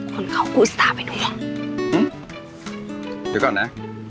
คนเขาก็อุตส่าห์ไปดูหว่าหื้อเดี๋ยวก่อนนะ